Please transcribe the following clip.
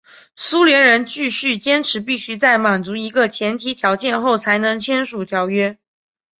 苏联人继续坚持必须在满足一个前提条件后才能签署条约。